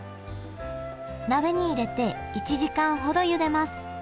鍋に入れて１時間ほどゆでます。